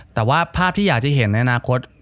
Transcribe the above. แต่ว่าภาพที่อยากจะเห็นในอนาคต